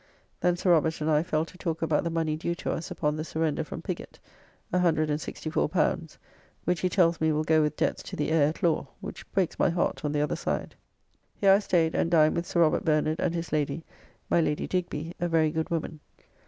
Then Sir Robert and I fell to talk about the money due to us upon surrender from Piggott, L164., which he tells me will go with debts to the heir at law, which breaks my heart on the other side. Here I staid and dined with Sir Robert Bernard and his lady, my Lady Digby, a very good woman.